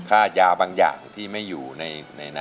ค่ายาบางอย่างที่ไม่อยู่ในนั้น